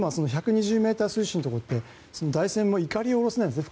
今１２０ｍ水深のところって台船はいかりを下ろせないんですね。